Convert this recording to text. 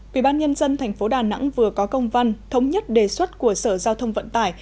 quỹ ban nhân dân tp đà nẵng vừa có công văn thống nhất đề xuất của sở giao thông vận tải